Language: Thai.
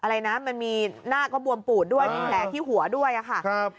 อะไรนะมันมีหน้าก็บวมปูดด้วยมีแผลที่หัวด้วยอะค่ะครับ